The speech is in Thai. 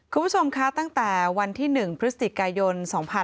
คุณผู้ชมคะตั้งแต่วันที่๑พฤศจิกายน๒๕๕๙